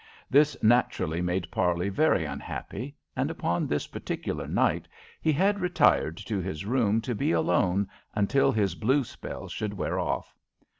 This naturally made Parley very unhappy, and upon this particular night he had retired to his room to be alone until his blue spell should wear off.